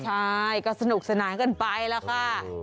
ใช่ก็สนุกสนานกันไปแล้วค่ะ